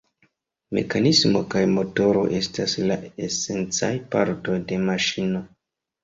Mekanismo kaj motoro estas la esencaj partoj de maŝino.